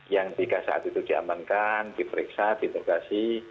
yang tiga saat itu diamankan diperiksa ditugasi